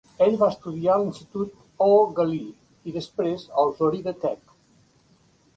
Ell va estudiar a l'institut Eau Gallie i, després, al Florida Tech.